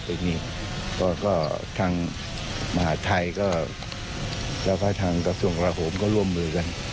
อีกนี่ก็ทางมหาดไทยก็แล้วก็ทางกระทรวงกราโหมก็ร่วมมือกัน